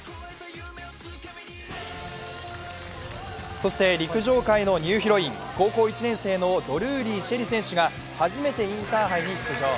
そして陸上界のニューヒロイン、高校１年生のドルーリー朱瑛里選手が初めてインターハイに出場。